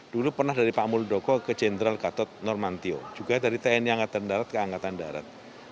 dulu pernah dari pak muldoko ke jenderal gatot nurmantio juga dari tni angkatan darat ke angkatan darat